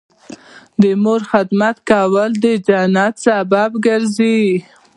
د مور خدمت کول د جنت سبب ګرځي